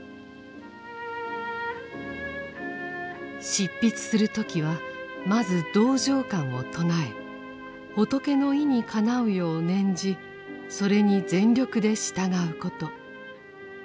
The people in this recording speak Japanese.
執筆する時はまず「道場観」を唱え仏の意にかなうよう念じそれに全力で従うこと。